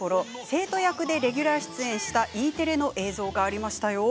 生徒役でレギュラー出演したＥテレの映像がありました。